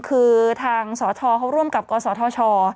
คือทางสชเขาร่วมกับกศธช